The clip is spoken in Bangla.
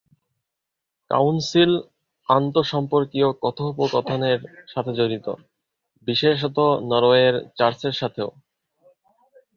কাউন্সিল আন্তঃসম্পর্কীয় কথোপকথনের সাথে জড়িত, বিশেষত নরওয়ের চার্চের সাথেও।